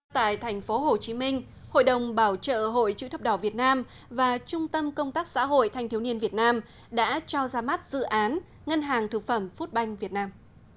tại thành phố hồ chí minh hội đồng bảo trợ hội chữ thập đỏ việt nam và trung tâm công tác xã hội thanh thiếu niên việt nam đã cho ra mắt dự án ngân hàng thực phẩm foodbank việt nam